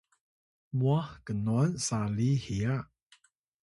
mwah knuwan sali hiya?